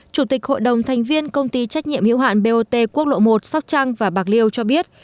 chủ tịch hội đồng thành viên công ty trách nhiệm hữu hạn bot quốc lộ một sóc trăng và bạc liêu cho biết